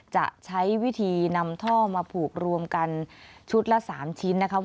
จะใช้วิธีนำท่อมาผูกรวมกันชุดละ๓ชิ้นนะคะ